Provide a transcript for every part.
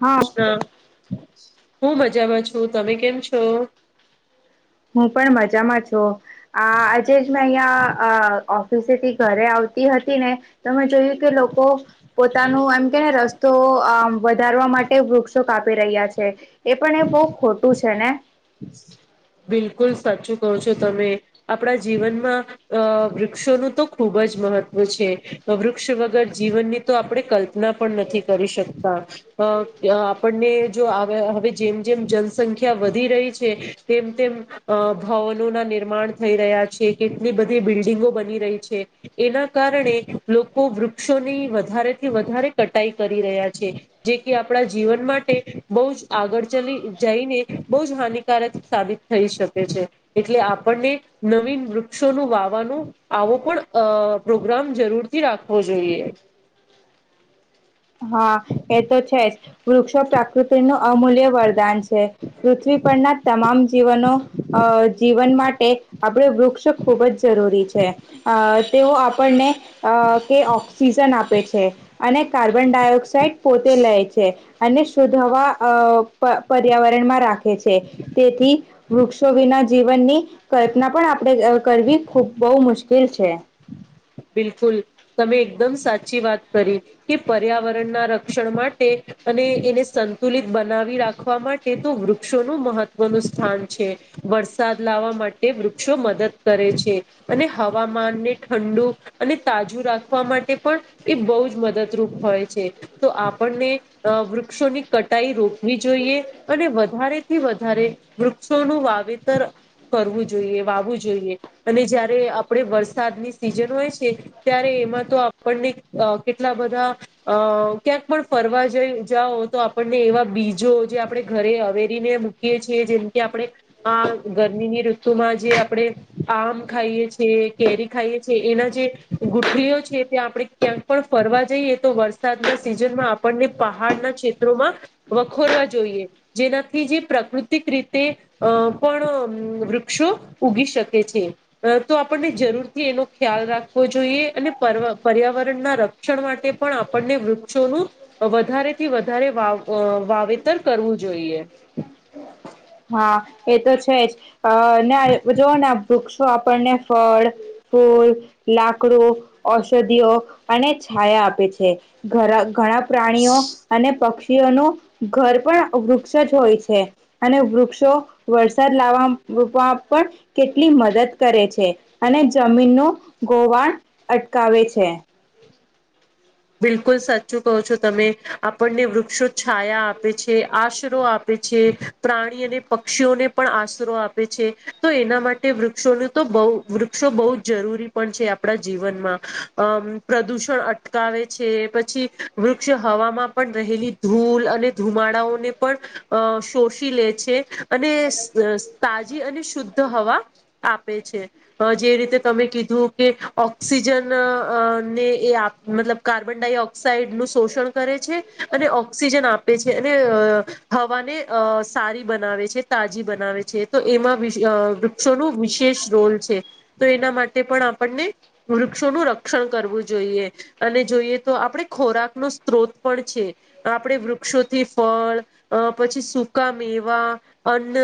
હા હ હું મજામાં છું તમે કેમ છો હું પણ મજામાં છું આજે જ મેં અહિયાં સે ઘરે આવતી હતી ને તો મેમે જોયું કે લોકો પોતાનું એમ કે ને રસ્તો આ વધારવા માટે વૃક્ષો કાપી રહ્યા છે એ પણ એ બહ ખોટું છે ને બમ બિલકુલ સાચું કહો છો તમે આપણા જીવનમાં અ વૃક્ષોનું તો ખૂબ જ મહત્વ છે વૃક્ષ વગર જીવનની તો આપણે કલ્પના પણ નથી કરી શકતા અ આપણને જો હવે જેમ જેમ જનસંખ્યા વધી રહી છે તેમ તેમ ભવનો ના નિર્માણ થઈ રહ્યા છે કેટલી બધી બિલ્ડિંગો બની એના કારણે લોકો વૃક્ષોની વધારેથી વધારે કટાઈ કરી રહ્યા જે આપણા જીવન માટે બહ જ આગળ ચ જઈને બહુ જ હાન સાબિત થઈ શકે છે એટલે આપણને નવીન વૃક્ષોનુંું વાવાનું આવ પણ પ્રોગ્રામ જરૂરથી રાખવો જોઈએ [inaudible] હા એ તો છે જ વૃક્ષો પ્રાકૃતિનું અમૂલ્ય વરદાન છે. પૃથ્વી પરના તમામ જીવનો અ જીવન માટે આપણે વૃક્ષ ખૂબ જ જરૂરી છે અ તેઓ આપણને અ કે ઓક્સિજન આપે છે, અને કાર્બ કાર્બન ડાયોક્સાઇડ પોતે લે છે, અને શુદ્ધ હવા અ પ પર્યાવરણમાં રાખે ખે છે, તેથી વૃક્ષો વિના જીવનની કલ્પના પણ આપણે અ કરવી ખૂબ બહુ મુશ્કેલ છે. બિલકુલ. તમે એકદમ સાચી વાત કરી કે પર્યાવરણના રક્ષણ માટે અને એને સંતુલિત બનાવી રાખવા માટે તો વૃક્ષોનું મહત્વનું સ્થાન છે. વરસાદ લાવવા માટે વૃક્ષો મદદ કરે છે. અને હવામાનને ઠંડુ અને તાજું રાખવા માટે પણ એ બહુ જ મદદરૂપ હોય છે. તો આપણને અ વૃક્ષોની કટાઈ રોકવી જોઈએ, અને વધારેથી વધારે વૃક્ષોનું વા વાવેતર કરવું જોઈએ, વાવું જોઈએ. અને જયારે આપણે વરસાદની સિઝન હોય છે, ત્યારે એમાં તો આપણને અ કેટલા બધા અ ક્યાંક પણ ફરવા જઈ જાઓ તો આપણને એવા બીજો જે આપણે ઘરે અવેરીને મૂકીએ છીએ. જેમ કે આપણે આ આ ગરમીની ઋતુમાં જે આપણે આમ ખાઈએ છીએ, કેરી ખાઈએ છીએ એના જે ગુથલીઓ છે તે આપણે ક્યાંક પણ ફરવા જઈએ તો વરસાદના સિઝનમાં આપણને પા પહાડના ક્ષેત્રોમાં વખોરવા જોઈએ. જેનાથી જે પ્રકૃતિક રીતે અ પણ વૃક્ષો ઉગી શકે છે. અ તો આપણને જરૂરથી એનો ખ્યાલ રાખ ખવો જોઈએ. અને પર્વ પર્યાવરણના રક્ષણ માટે પણ આપણને વૃક્ષોનું વધારે થી વધારે વા અ વાવેતર કરવું જોઈએ. હા એ તો છે જ અને આ જોવોને આ વૃક્ષ તો આપણને ફળ, ફૂલ, લાકડું, ઔષધિઓ અને છાયા આપે છે. ઘરા ઘણા પ્રાણીઓ અને પક્ષીઓનું ઘર પણ વૃક્ષ જ હોય છે. અને વૃક્ષો વરસાદ લાવામાં પણ કેટલી મદદ કરે છે, અને જમીનનું ગોવાણ અટકાવે છે. બિલકુલ સાચું કહો છો તમે, આપણને વૃક્ષો છાયા આપે છે, આશરો આપે પે છે, પ્રાણી અને પક્ષીઓને પણ આશરો આપે છે, તો એના માટે વૃક્ષોનું તો બહુ વૃક્ષો બહુ જ જરૂરી પણ છે આપણા જીવનમાં, અમ પ્રદૂષણ અટ કાવે છે, પછી વૃક્ષ હવામાં પણ રહેલી ધૂલ અને ધુમાડાઓને પણ અ શોષી લે છે. અને અ તાજી અને શુદ્ધ હવા આપે પે છે. અ જે રીતે તમે કીધું કે ઓક્સિજનને એ આપ મતલબ કાર્બન ડાયોક્સાઇડનું શોષણ કરે છે, અને ઓક્સિજન આપે છે, અને હવાને અ સારી બનાવે છે, તાજી બનાવે છે, એ તો એમાં વી વૃક્ષોનું વિશે શેષ રોલ છે. તો એના માટે પણ આપણને વૃક્ષોનું રક્ષણ કરવું જોઈએ. અને જોઈએ તો આપણે ખોરાકનો સ્ત્રોત પણ છે. તો આપણે વૃક્ષોથી ફળ અ પછી સૂકા મેવા, અન્ન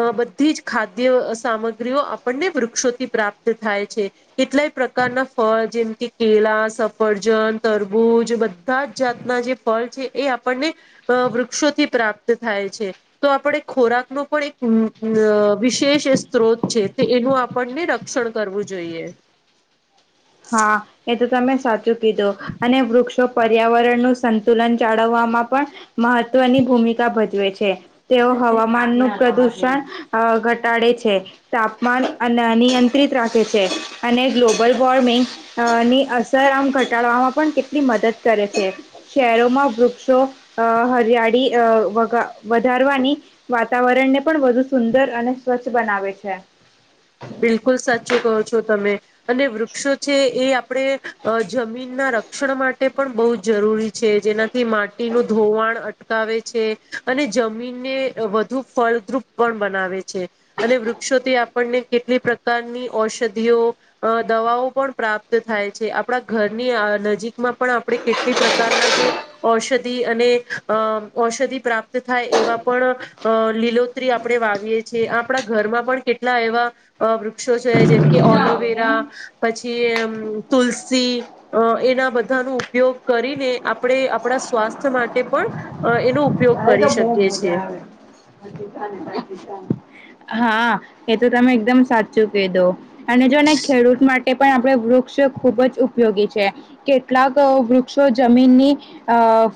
અ બધી જ ખાદ્ય સામગ્રીઓ અપ આપણને વૃક્ષોથી પ્રાપ્ત થાય છે. કેટલાય પ્રકારના ફળ જેમ કે કેલા, સફ ફરજન, તરબૂજ બધા જ જાતના જે ફલ છે એ આપણને અ વૃક્ષોથી પ્રા પ્રાપ્ત થાય છે. તો આપણે ખોરાકનો પણ એક અ વિશેષ સ્ત્રોત છે. તો એનું આપણને રક્ષણ કરવું જોઈએ. હ સાચું કીધું. અને વૃક્ષો પર્યાવરણનું સંતુલન જાળવવામાં પણ મહત્વની ભૂમિકા ભજવે છે. તેઓ હવામાનનું પ્રદુષણ અ ઘટાડે છે. તાપ તાપમાન અન નિયંત્રિત રાખે છે, અને ગ્લોબલ વોર્મ મી અ ની અસર આમ ઘટાડવામાં પણ કેટલી મદદ કરે છે. શહેરોમાં વૃ ક્ષો અ હરિયાળી અ વઘાર વધારવાની વાતાવરણને પણ વધુ સુંદર ર અને સ્વચ્છ બનાવે છે. ત અને વૃક્ષો છે એ આપણે જમીન ના રક્ષણ માટે પણ બહ જ જરૂ છે જેનાથી માટીનું ધોવાણ અટકાવે છે અને જમીનને વધુ ફળદ્રુપ પણ બનાવે છે અને વૃક્ષોથી આપણને કેટલી પ્રકારની ઔષધિઓ દવાઓ પણ પ્રાપ્ત થાય છે આપણા ઘરની નજીકમાં પણ આપણે કેટલી પ્રકારના જે ઔષધિ અને ઔષધિ પ્રાપ્ત પ્રત થાય એવા પણ અ લીલોત્રી આપણે વાવીએ છીએ આપણા ઘરમાં પણ કેટલા એવા અ વૃક્ષો છે જેમ કે ઓલોવેરા પછીમ તુલસી અ એના બધાનો ઉપયોગ કરીને આપણે આપણા સ્વાસ્થ્ય માટે પણ એનો ઉપયોગ તલે તો કરી બહ શકીએ છીએ. મજા આવે પાકિસ્તાને પાકિસ્તા હા એ તો તમે એકદમ સાચું કહી દો અને જો ને ખેડૂત માટે પણ આપડે વૃક્ષ ખૂબ ઉપયોગી છે કેટલાક વૃક્ષો જમીનની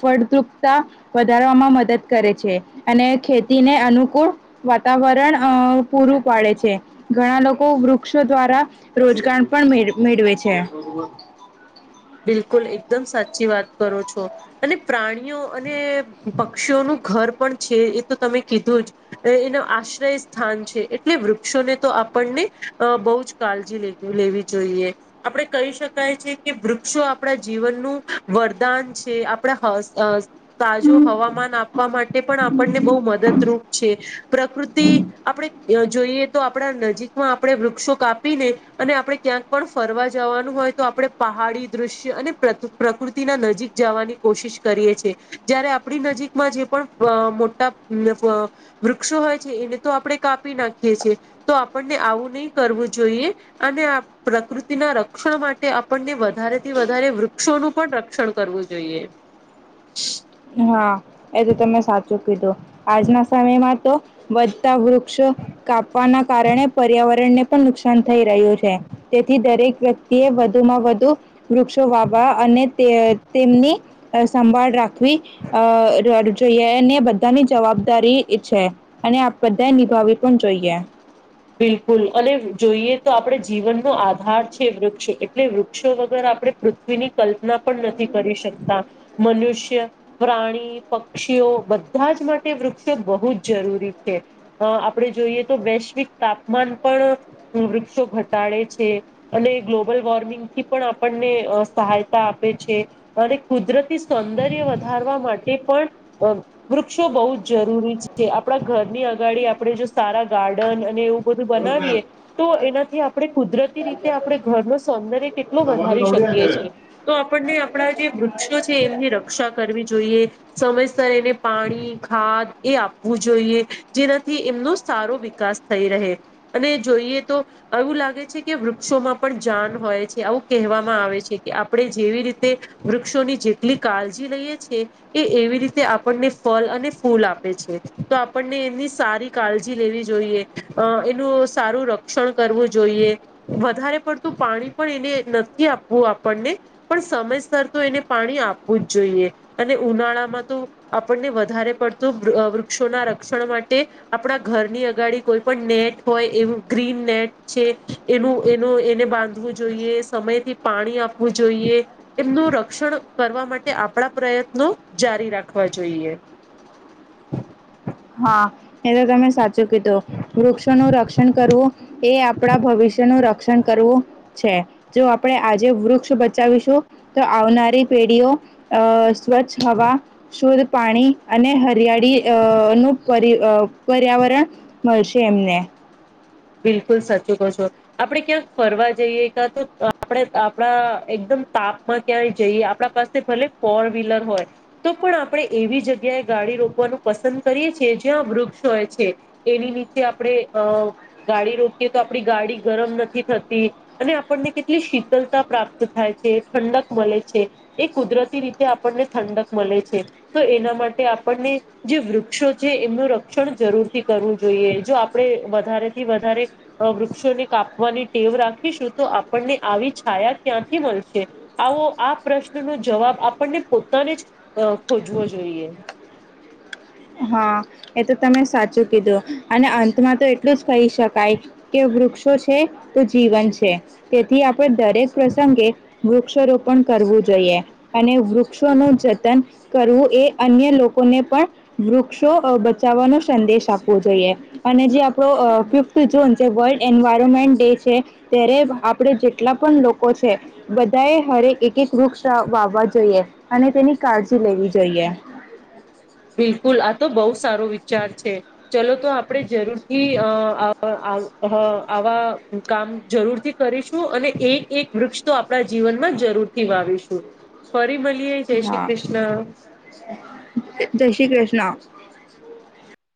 ફળ વધારવામાં મ મદદ કરે છે અને ખેતીને અનુકૂળ વાતાવરણ પૂરું પાડે છે ઘણા લોકો વૃક્ષો દ્વારા રોજગાર પણ મેળવે છે હ બિલકુલ એકદમ સાચી વાત કરો છો અને પ્રાણીઓ અને પક્ષીઓનું ઘર પણ છે એ તો તમે કીધું જ એનો આશ્રય સ્થાન છે એટલે વૃક્ષોને તો આપણને બહ જ કજી લેવી જોઈએ આપણે કહી શકાય છે કેૃ આપણા જીવનનુંું વરદાન છે આપણે તાજો હવામાન આપવા માટે પણ આપણને બહ મદદરૂપ છે પ્રકૃતિ આપણે જોઈએ તો આપણા નજીકમાં આપણે વૃક્ષો કાપીને અને આપણે ક્યાંક પણ ફરવા જવાનું હોય તો આપડણે પહાડી દૃશ્ય અને પ્રકૃતિના નજીક જવાની કોશિશ કરીએ છીએ જયારે આપણી નજીકમાં જે પણ મોટા વૃક્ષો હોય છે એને તો આપણે કાપી નાખીએ છીએ તો આપણને આવું નહી કરવું જોઈએ અને પ્રકૃતિના રક્ષણ માટે આપણને વધારે થી વધારે વૃક્ષોનું પણ રક્ષણ કરવું જોઈએ હા એ તો તમે સાચું આજના સમયમાં તો વધતા વૃક્ષો કાપવાના કારણે પર્યાવરણ પણ નુકસાન થઈ રહ્યું છે તેથી દરેક વ્યક્તિએ વધુ માં વધુ વૃક્ષો વાવવા અને તેમની સંભાળ રાખવી અ જોઈએ ને બધાની જવાબદારી છે અને આપ બધા નિભાવી પણ જોઈએ બિલકુલ અને જોઈએ તો આપણે જીવનનોો આધાર છે વૃક્ષ એટલે વૃક્ષો વગર આપણે પૃથ્વીની કલ્પના પણ નથી કરી શકતા મનુષ્ય પ્રાણી પક્ષીઓ બધા જ માટે વૃક્ષો બહુ જ જરૂરી છે આપણે જોઈએ તો વૈશ્વિક તાપમાન પણ વૃક્ષો ઘટાડે છે અને ગ્લોબલ વોર્મિંગ થી પણ આપણને ને સહાયતા આપે છે અને કુદરતી સૌંદર્ય વધારવા માટે પણ વૃક્ષો બહુ જ જરૂરી છે આપણા ઘરની અગાડી આપણે જો સારા ગાર્ડન બધું બોલો બનાવીએ સાહેબ તો એનાથી આપણે કુદરતી રીતે આપ ઘર ન સૌંદર્ય કેટલો તમારું વધારી દોડ્યા શકીએ કરે છે તો આપણને આપણા જે વૃક્ષો છે એમની રક્ષા કરવી જોઈએ સમયસર એને પાણી ખાદ એ આપવું જોઈએ જેનાથી એમનો સારો વિકાસ થઈ રહે અને જોઈએ તો એવું લાગે છે કે વૃક્ષોમાં પણ જાન હોય છે આવું ક આવે છે કે આપણે જેવી રીતે વૃક્ષોની જેટલી કાળજી લઈએ છીએ એ એવી રીતે રતે આપણને ફલ અને ફૂલ આપે છે તો આપણને એની સારી કાળજી લેવી જોઈએ અ એનું સારું રક્ષણ કરવું જોઈએ વધારે પડતું પાણી પણ એને નથી આપવું આપણને પણ સમયસર તો એને પાણી આપવું જ જોઈએ અને ઉનાળામાં તો આપણને વધારે પડતું વૃક્ષોના રક્ષણ માટે આપણા ઘરની અગાડી કોઈ પણ નેટ હોય એવું ગ્રીન નેટ છે એનું એનું એને બાંધવું જોઈએ સમય પાણી આપવું જોઈએ. એમનું રક્ષણ કરવા માટે આપડા પ્રયત્નો જારી રાખ રાખવા જોઈએ. હા, એ તો તમે સા ચુ કીધુ. વૃક્ષોનું રક્ષણ કરવું એ આપડા ભવિષ્યનું રક્ષણ કરવું છે. જો આપડે આજે વૃક્ષ બચાવીશું તો આવનારી પેઢીઓ અ સ્વચ્છ હવા, શુદ્ધ પાણી અને હરિયાળી અ નું પરી અ પર્યાવરણ મળશે એમને. બિલકુલ સાચું કોછો. આપડે ક્યાંક ફરવા જઈએ કા તો આપડે આપડા એકદમ તાપમાં ક્યાંય જઈએ. આપડા પાસે ભલે ફોર વ્હીલર હોય તો પણ આપડે એવી જગ્યાએ ગાડી રોકવાનું પસંદ કરીએ છીએ જ્યાં વૃક્ષ હોય છે. એની નીચે આપડે અ ગાડી રોકીએ તો આપડી ગાડી ગરમ નથી થતી. અને આપડને કેટલી શીતલતા પ્રાપ્ત થાય છે. ઠંડક મલે છે. એ કુદરતી રીતે આપડને ઠંડક મલે છે. તો એના માટે આપડને જે વૃક્ષો છે એમનું રક્ષણ જરૂરથી કરવું જોઈએ. જો આપડે વધારે વધારે વૃક્ષોને કાપવાની ટેવ રાખીશું તો આપડને આવી છાયા ક્યાંથી મળ શે. આવો આ પ્રશ્નનો જવાબ આપડને પોતાને જ અ ખોજવો જોઈએ. હા. એ તો તમે સાચું કીધું અને અંતમાં તો એટલું જ કહી શકાય કે વૃક્ષો છે તો જીવન છે. તેથી આપડે દરેક પ્રસંગે વૃક્ષારોપણ કરવું જોઈએ. અને વૃક્ષોનું જતન કરવું એ અન્ય લોકો ને પણ વૃક્ષો બચાવાનો સંદેશ આપવો જોઈએ. અને જે આપડો અ ફિફ્થ જૂન જે વર્લ્ડ એન્વાયરમેન્ટ ડે છે. ત્યારે આપડે જેટલા પણ લોકો છે બધાએ હરેક એક એક વૃક્ષ વાવવા જોઈએ. અને તેની કાળજી લેવી જોઈએ. બિલકુલ, આ તો બઉ સારો વિચાર છે. ચલો તો આપડે જરૂર થી અ અ હન આવા કામ જરૂરથી કરીશું અને એક-એક વૃક્ષ તો આપડા જીવનમાં જરૂરથી વાવીશું. ફરી મલીએ જય શ્રી હા કૃષ્ણ. જય શ્રી કૃષ્ણ.